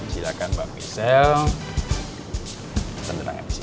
silahkan mbak michelle tanda tangan saya disini